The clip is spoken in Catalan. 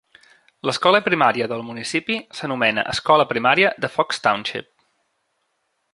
L'escola primària del municipi s'anomena Escola Primària de Fox Township.